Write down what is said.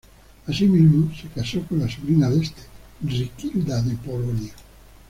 Asimismo se casó con la sobrina de este, Riquilda de Polonia.